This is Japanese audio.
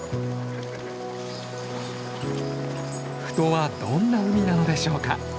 富戸はどんな海なのでしょうか？